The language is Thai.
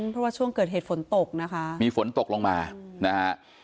เพราะว่าช่วงเกิดเหตุฝนตกนะคะมีฝนตกลงมานะฮะ